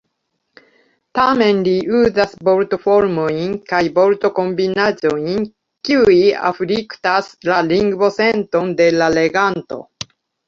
Tamen li uzas vortoformojn kaj vortokombinaĵojn, kiuj afliktas la lingvosenton de la leganto.